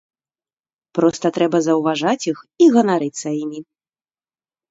Проста трэба заўважаць іх і ганарыцца імі.